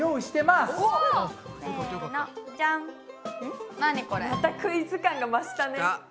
またクイズ感が増したね。